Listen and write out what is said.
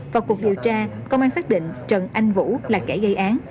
vào cuộc điều tra công an xác định trần anh vũ là kẻ gây án